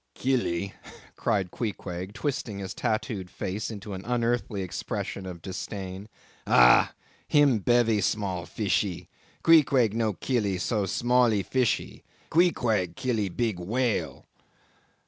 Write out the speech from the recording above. "Kill e," cried Queequeg, twisting his tattooed face into an unearthly expression of disdain, "ah! him bevy small e fish e; Queequeg no kill e so small e fish e; Queequeg kill e big whale!"